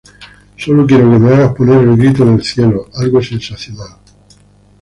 Solo quiero que me hagas poner el grito en el cielo, algo sensacional.